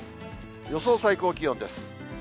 予想最高気温です。